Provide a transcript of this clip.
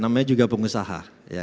namanya juga pengusaha